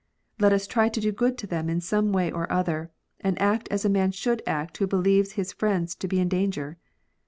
Let us try to do good to them in some way or other, and act as a man should act who believes his friends to be in danger.